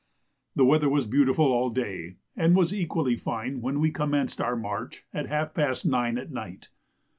The weather was beautiful all day, and was equally fine when we commenced our march at half past nine at night.